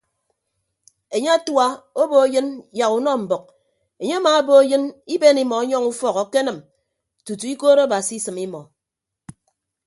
Enye atua obo eyịn yak unọ mbʌk enye amaabo eyịn iben imọ yọñ ufọk kenịm tutu ikoot abasi asịm imọ.